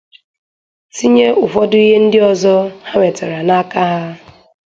tinyee ụfọdụ ihe ndị ọzọ ha nwètara n'aka ha.